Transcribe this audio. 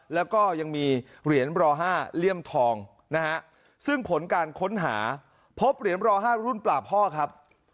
แล้วก็ยังมีเหรียญรอ๕เลี่ยมทองนะฮะซึ่งผลการค้นหาพบเหรียญรอ๕รุ่นปลาพ่อครับ